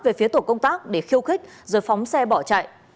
về phía tổ công tác để khiêu khích rồi phóng xe bỏ chạy